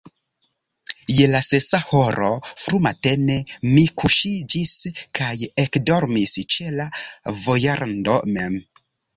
Je la sesa horo frumatene mi kuŝiĝis kaj ekdormis ĉe la vojrando mem.